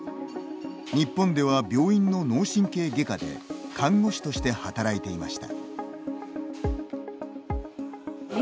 日本では病院の脳神経外科で看護師として働いていました。